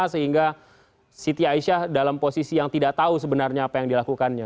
sehingga siti aisyah dalam posisi yang tidak tahu sebenarnya apa yang dilakukannya